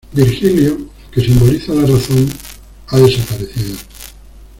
Virgilio, que simboliza la Razón, ha desaparecido.